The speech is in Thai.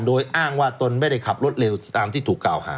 โดยอ้างว่าตนไม่ได้ขับรถเร็วตามที่ถูกกล่าวหา